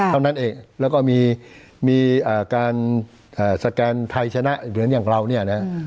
เท่านั้นเองแล้วก็มีการสแกนไทยชนะเหมือนอย่างเราเนี่ยนะ